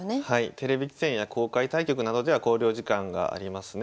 テレビ棋戦や公開対局などでは考慮時間がありますね。